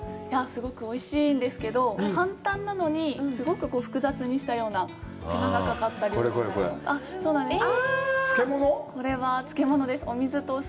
すごくおいしいんですけど、簡単なのに、すごく複雑にしたような、手間がかかった料理になります。